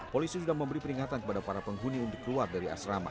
polisi juga mengamankan senjata panah dari dalam asrama